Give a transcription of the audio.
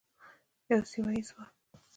یو سیمه ییز ځواک.